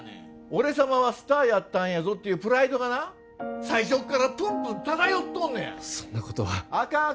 俺様はスターやったんやぞっていうプライドがな最初っからプンプン漂っとんのやそんなことはあかん